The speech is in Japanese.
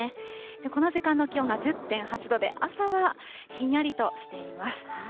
この時間の気温が１０．８度で、朝はひんやりとしています。